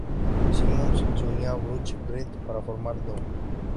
Simmons se unió a Butch Reed para formar Doom.